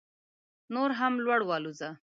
نور هم لوړ والوځه